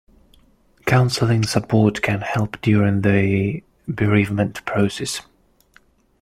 Counseling support can help during the bereavement process.